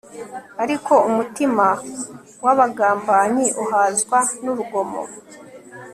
ariko umutima w'abagambanyi uhazwa n'urugomo